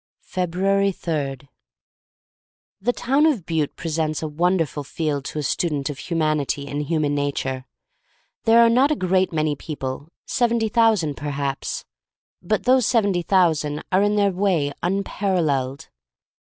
jpebruars 3* THE town of Butte presents a won derful field to a student of humanity and human nature. There are not a great many people — seventy thousand perhaps — ^but those seventy thousand are in their way un paralleled.